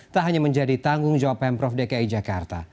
tak hanya menjadi tanggung jawab pemprov dki jakarta